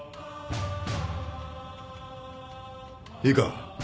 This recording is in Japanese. いいか。